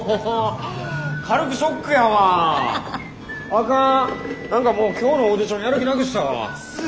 あかん何かもう今日のオーディションやる気なくしたわ。